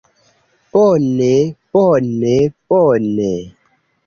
Bone... bone... bone...